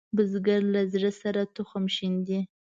بزګر له زړۀ سره تخم شیندي